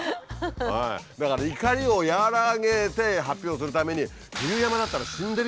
だから怒りを和らげて発表するためにそうですね。